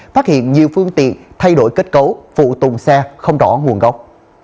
phát hiện nhiều phương tiện thay đổi kết cấu phụ tùng xe không rõ nguồn gốc